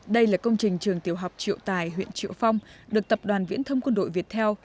đây là công trình trường tiểu học triệu tài huyện triệu phong được tập đoàn viễn thông quân đội việt theo